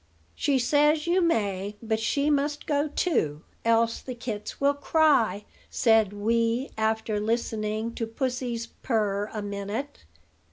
"She says you may; but she must go too, else the kits will cry," said Wee, after listening to Pussy's purr a minute.